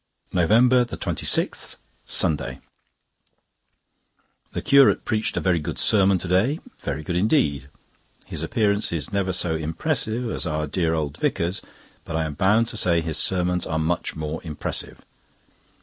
NOVEMBER 26, Sunday.—The curate preached a very good sermon to day—very good indeed. His appearance is never so impressive as our dear old vicar's, but I am bound to say his sermons are much more impressive.